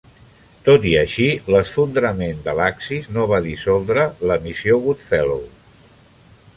Tot i així, l'esfondrament de l'axis no va dissoldre la missió Goodfellow.